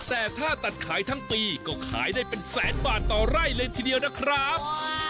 แต่ถ้าตัดขายทั้งปีก็ขายได้เป็นแสนบาทต่อไร่เลยทีเดียวนะครับ